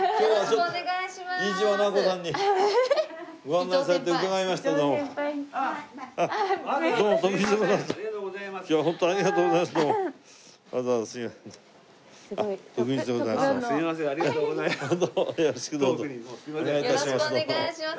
お願い致します。